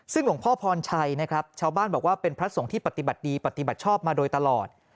ซึ่งหลวงพ่อพรชัยนะครับชาวบ้านบอกว่าเป็นพระสงฆ์ที่ปฏิบัติดีปฏิบัติชอบมาโดยตลอด